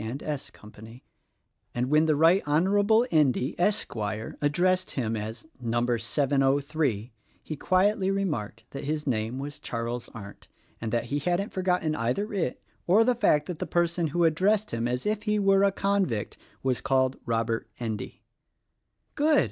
and S. Company, and when the Right Honorable Endy, Esquire, addressed him as Number 703 he quietly remarked that his name was Charles Arndt, and that he hadn't for gotten either it or the fact that the person who addressed him as if he were a convict was called Robert Endy." "Good!"